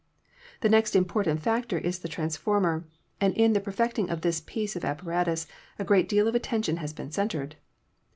The next important factor is the transformer, and in the perfecting of this piece of apparatus a great deal of attention has been centered.